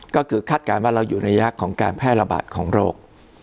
ก็คือคาดการณ์ว่าเราอยู่ระยะของการแพร่ระบาดของโรค